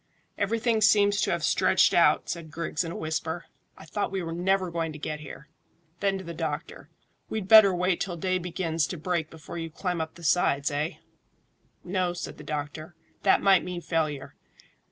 "Everything seems to have stretched out," said Griggs, in a whisper. "I thought we were never going to get here." Then to the doctor, "We'd better wait till day begins to break before you climb up the sides, eh?" "No," said the doctor; "that might mean failure.